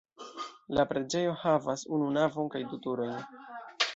La preĝejo havas unu navon kaj du turojn.